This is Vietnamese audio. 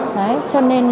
cho nên là không thể thiếu